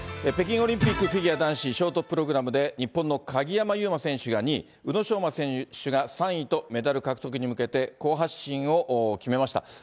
北京オリンピック、フィギュア男子ショートプログラムで、日本の鍵山優真選手が２位、宇野昌磨選手が３位と、メダル獲得に向けて、好発進を決めました。